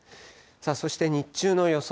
そして日中の予想